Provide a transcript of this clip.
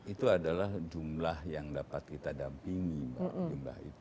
itu adalah jumlah yang dapat kita dampingi